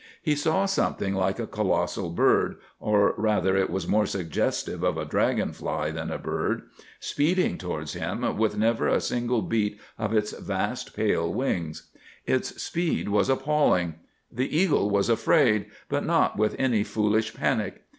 He saw something like a colossal bird—or rather, it was more suggestive of a dragon fly than a bird—speeding towards him with never a single beat of its vast, pale wings. Its speed was appalling. The eagle was afraid, but not with any foolish panic.